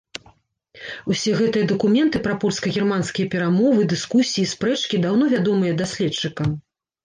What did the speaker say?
Усе гэтыя дакументы пра польска-германскія перамовы, дыскусіі і спрэчкі даўно вядомыя даследчыкам.